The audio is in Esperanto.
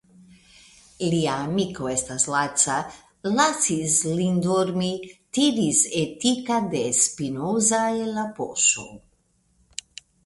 Lia amiko estas laca, lasis lin dormi, tiris Etika de Spinoza el la poŝo.